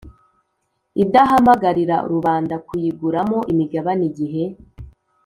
Idahamagarira rubanda kuyiguramo imigabane igihe